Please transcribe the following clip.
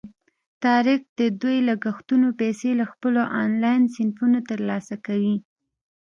طارق د دې لګښتونو پیسې له خپلو آنلاین صنفونو ترلاسه کوي.